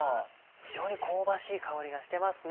非常に香ばしい香りがしてますね。